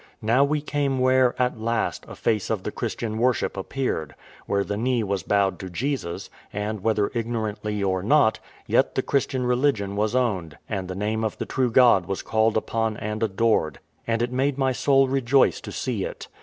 Now we came where, at least, a face of the Christian worship appeared; where the knee was bowed to Jesus: and whether ignorantly or not, yet the Christian religion was owned, and the name of the true God was called upon and adored; and it made my soul rejoice to see it.